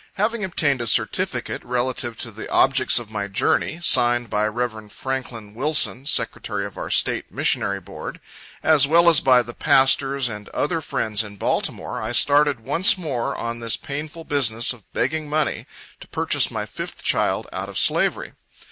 Having obtained a certificate, relative to the objects of my journey, signed by Rev. Franklin Wilson, Secretary of our State Missionary Board, as well as by the pastors and other friends in Baltimore, I started once more on this painful business of begging money, to purchase my fifth child out of slavery.